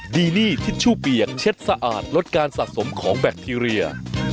ดีนี่ทิชชู่เปียกเช็ดสะอาดลดการสะสมของแบคทีเรีย